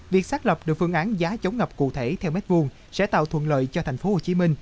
việc xác lập được phương án giá chống ngập cụ thể theo m hai sẽ tạo thuận lợi cho tp hcm